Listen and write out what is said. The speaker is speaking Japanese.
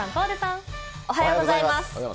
おはようございます。